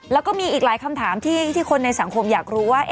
แล้วก็มีอีกหลายคำถามที่คนในสังคมอยากรู้ว่า